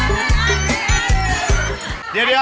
เดี๋ยวอะไรอ่ะ